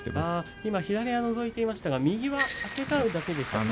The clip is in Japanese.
今、左がのぞいていましたが右は空けてあるだけでしたね。